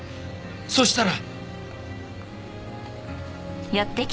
そしたら。